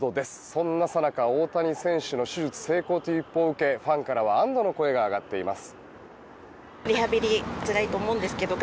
そんなさなか、大谷選手の手術成功という一報を受けファンからは安どの声が上がっています。